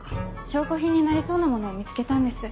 証拠品になりそうなものを見つけたんです。